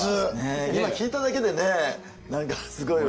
今聞いただけでね何かすごいわ。